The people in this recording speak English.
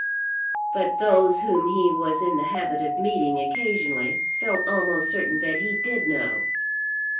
But those whom he was in the habit of meeting occasionally felt almost certain that he did know.